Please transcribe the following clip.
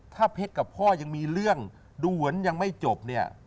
ถ้าเพชรกับพ่อยังมีเรื่องด่วนยังไม่จบ